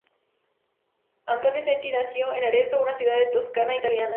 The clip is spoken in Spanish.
Antonio Cesti nació en Arezzo, una ciudad en la Toscana italiana.